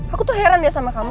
aku tuh heran ya sama kamu